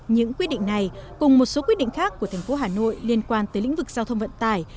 những quyết định này cùng một số quyết định khác của thành phố hà nội liên quan tới lĩnh vực giao thông vận tải